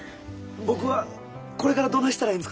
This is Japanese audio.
僕はこれからどないしたらええんですか？